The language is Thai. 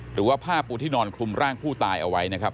หรือว่าผ้าปูที่นอนคลุมร่างผู้ตายเอาไว้นะครับ